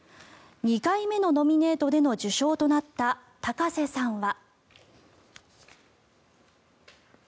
２回目のノミネートでの受賞となった高瀬さんは。